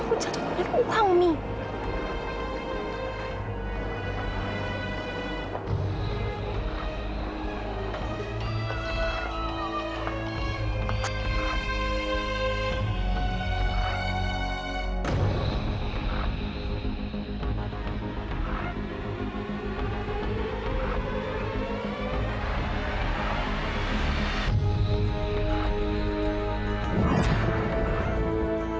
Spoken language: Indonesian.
kamu jangan pernah bilang itu masalah aku